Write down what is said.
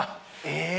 え！